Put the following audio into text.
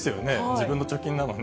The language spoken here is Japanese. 自分の貯金なのに。